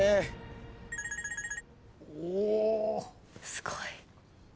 すごい。